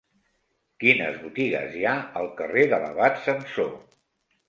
Quines botigues hi ha al carrer de l'Abat Samsó?